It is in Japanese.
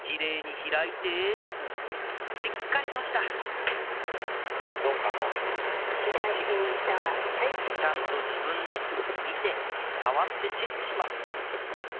きれいに開いてしっかり閉じたちゃんと自分で見て触ってチェックします